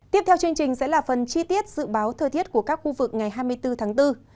tiếp theo chương trình sẽ là phần chi tiết dự báo thời tiết của các khu vực ngày hai mươi bốn tháng bốn